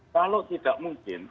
kalau tidak mungkin